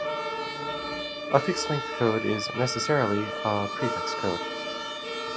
A fixed-length code is necessarily a prefix code.